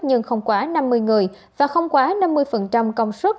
nhưng không quá năm mươi người và không quá năm mươi công suất